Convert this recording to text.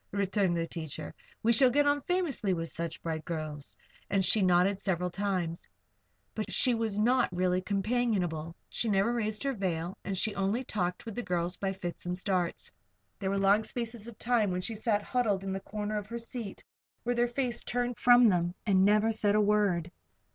returned the teacher. "We shall get on famously with such bright girls," and she nodded several times. But she was not really companionable. She never raised her veil. And she only talked with the girls by fits and starts. There were long spaces of time when she sat huddled in the corner of her seat, with her face turned from them, and never said a word.